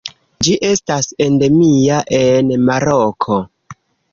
Ĝi estas endemia en Maroko.